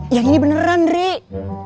yang ini beneran drik